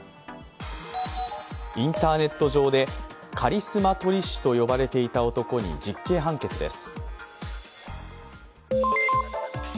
インターネット上でカリスマ撮り師と呼ばれていた男に実刑判決です。